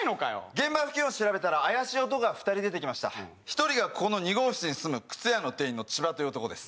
現場付近を調べたら怪しい男が２人出てきました１人がここの２号室に住む靴屋の店員のチバという男です